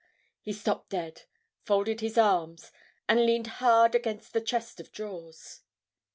Ah!... He stopped dead, folded his arms, and leaned hard against the chest of drawers.